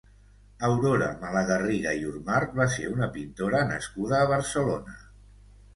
Aurora Malagarriga i Ormart va ser una pintora nascuda a Barcelona.